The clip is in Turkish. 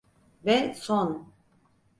Ve son.